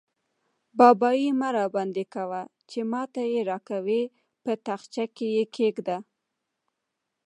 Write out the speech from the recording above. بابايي مه راباندې کوه؛ چې ما ته يې راکوې - په تاخچه کې يې کېږده.